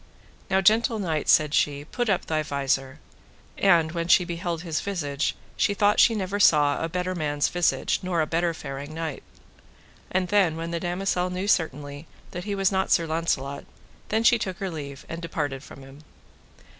Now, gentle knight, said she, put up thy visor; and when she beheld his visage she thought she saw never a better man's visage, nor a better faring knight. And then when the damosel knew certainly that he was not Sir Launcelot, then she took her leave, and departed from him.